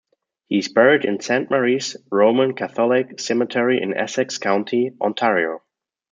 He is buried in Saint Mary's Roman Catholic Cemetery in Essex County, Ontario.